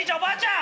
ん？